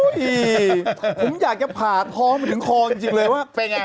ผมอยากจะผ่าท้องมาถึงคลองจริงจริงเลยว่า